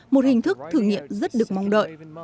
một hình thức thử nghiệm rất được mong đợi